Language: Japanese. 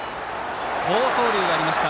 好走塁がありました。